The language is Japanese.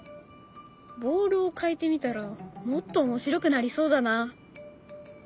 ボールを変えてみたらもっと面白くなりそうだな。